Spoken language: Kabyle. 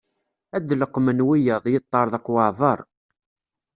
Ad d-leqqmen wiyaḍ, yeṭerḍeq waɛbaṛ.